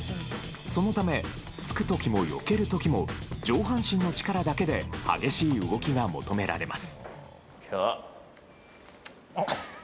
そのため、突く時もよける時も上半身の力だけで激しい動きが求められます。